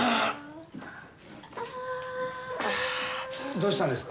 どうしたんですか？